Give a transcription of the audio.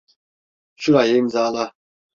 Şurayı imzala.